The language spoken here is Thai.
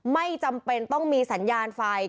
ไม่จำเป็นต้องมีสัญญาณไฟ